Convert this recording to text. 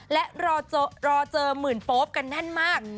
และรอเจอหมื่นโป๊ปกันแน่นมาก